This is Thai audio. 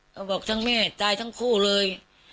บอกทั้งแม่ตายทั้งคู่เลย